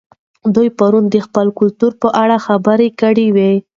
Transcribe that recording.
دوی پرون د خپل کلتور په اړه خبرې کړې وې.